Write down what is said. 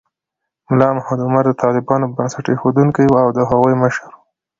ملا محمد عمر د طالبانو بنسټ ایښودونکی و او د هغوی مشر و.